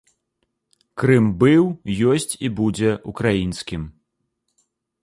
Крым быў, ёсць і будзе ўкраінскім.